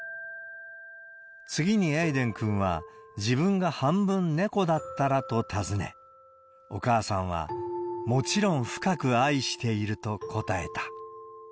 次にエイデン君は、自分が半分猫だったらと尋ね、お母さんはもちろん深く愛していると答えた。